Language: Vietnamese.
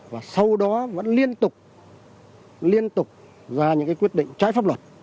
và sau đó vẫn liên tục liên tục ra những quyết định trái pháp luật